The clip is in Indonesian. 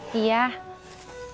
dadah neng tini